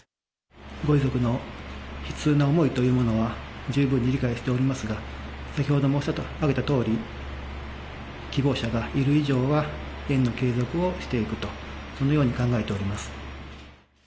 ご遺族の悲痛な思いというものは、十分に理解しておりますが、先ほど申し上げたとおり、希望者がいる以上は、園の継続もしていくと、そのように考えております。